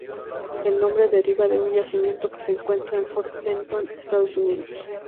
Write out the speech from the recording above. El nombre deriva de un yacimiento que se encuentra en Fort Benton, Estados Unidos.